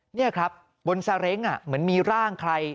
นี่ครับบนซาเร้งเหมือนมีร่างใคร